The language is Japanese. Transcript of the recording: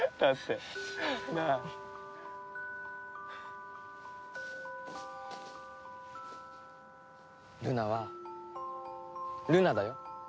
ルナはルナだよ。